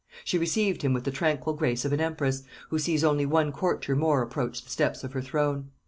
She received him with the tranquil grace of an empress, who sees only one courtier more approach the steps of her throne.